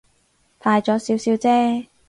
快咗少少啫